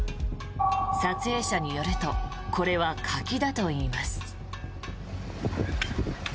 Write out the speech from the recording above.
撮影者によるとこれは柿だといいます。